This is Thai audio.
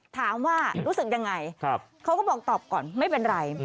รู้สึกยังไงเขาก็บอกตอบก่อนไม่เป็นไร